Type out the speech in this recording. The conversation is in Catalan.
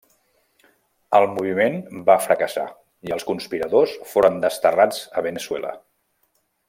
El moviment va fracassar i els conspiradors foren desterrats a Veneçuela.